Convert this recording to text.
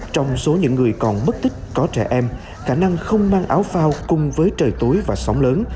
trong số những người còn mất tích có trẻ em khả năng không mang áo phao cùng với trời tối và sóng lớn